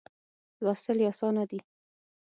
لوستل یې آسانه دي.